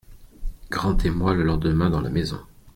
Grand émoi le lendemain dans la maison.